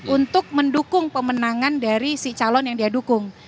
untuk mendukung pemenangan dari si calon yang dia dukung